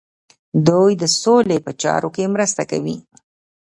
دوی د سولې په چارو کې مرسته کوي.